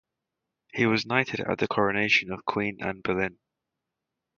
He was knighted at the coronation of Queen Anne Boleyn.